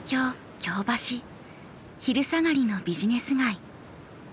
昼下がりのビジネス街。